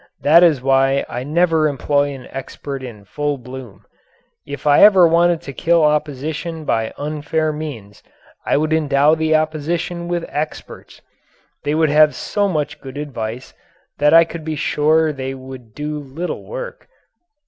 That is why I never employ an expert in full bloom. If ever I wanted to kill opposition by unfair means I would endow the opposition with experts. They would have so much good advice that I could be sure they would do little work.